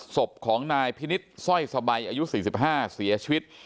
ศพของนายพินิษฐ์สร้อยสบายอายุ๔๕เสียชีวิต